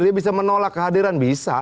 dia bisa menolak kehadiran bisa